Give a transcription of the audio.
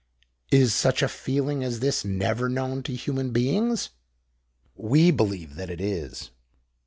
Is such a feeling as this never known to human beings? We believe that it is.